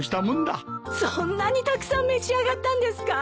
そんなにたくさん召し上がったんですか？